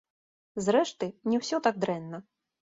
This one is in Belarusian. Зрэшты, не ўсё так дрэнна.